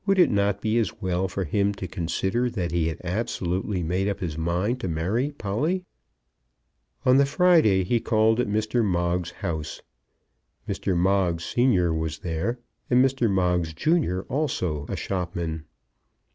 Would it not be as well for him to consider that he had absolutely made up his mind to marry Polly? On the Friday he called at Mr. Moggs's house; Mr. Moggs senior was there, and Mr. Moggs junior, and also a shopman.